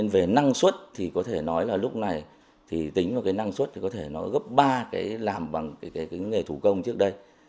về năng suất có thể nói là lúc này tính vào năng suất có thể nói gấp ba làm bằng nghề thủ công trước đây